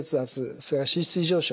それから脂質異常症